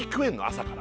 朝から？